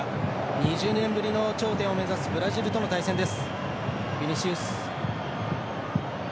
２０年ぶりの頂点を目指すブラジルとの対戦です。